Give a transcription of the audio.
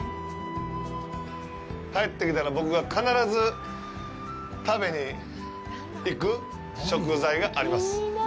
帰ってきたら僕が必ず食べに行く食材があります。